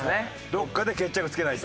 どこかで決着をつけないと。